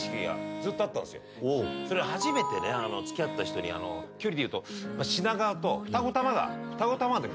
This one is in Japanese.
それ初めて付き合った人に距離でいうと品川と二子玉川。